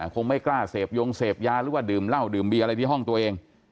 คงไม่กล้าเสพยงเสพยาหรือว่าดื่มเหล้าดื่มเบียอะไรที่ห้องตัวเอง